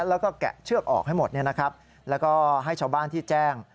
แล้วก็แกะเชือกออกให้หมดแล้วก็ให้ชาวบ้านที่แจ้ง